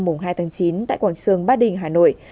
mùng hai tháng chín tại quảng trường ba đình hà nội